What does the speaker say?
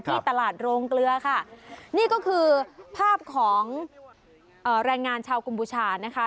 ที่ตลาดโรงเกลือค่ะนี่ก็คือภาพของแรงงานชาวกัมพูชานะคะ